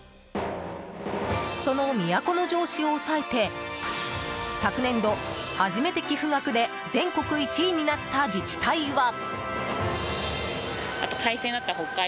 その都城市を抑えて昨年度、初めて寄付額で全国１位になった自治体は。